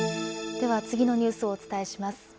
では次のニュースをお伝えします。